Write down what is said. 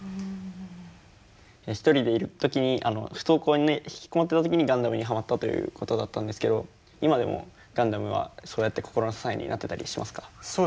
一人でいる時に不登校で引きこもっていた時に「ガンダム」にハマったということだったんですけど今でも「ガンダム」はそうやって心の支えになってたりしますか？